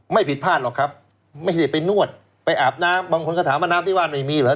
ผิดพลาดหรอกครับไม่ใช่ไปนวดไปอาบน้ำบางคนก็ถามว่าน้ำที่บ้านไม่มีเหรอ